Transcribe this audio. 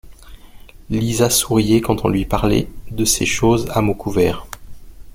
Lisa souriait, quand on lui parlait de ces choses à mots couverts.